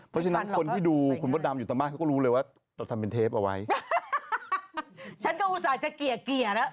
อ๋อไปกับท่านฮันเหรอ